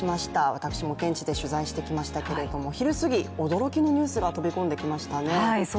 私も現地で取材してきましたけれども昼すぎ、驚きのニュースが飛び込んできましたね。